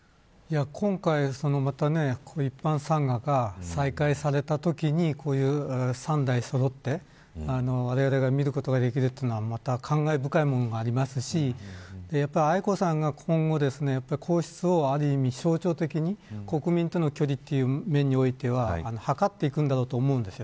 今回、一般参賀が再開されたときに３代そろってわれわれが見ることができるのは感慨深いものがありますし愛子さまが今後、皇室をある意味象徴的に国民との距離という面ではかっていくと思うんです。